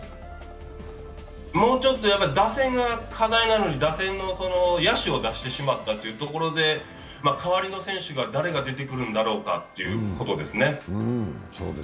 もうちょっと打線が課題なのに、打線の野手を出してしまったというところで代わりの選手が誰が出てくるんだろうかということですね。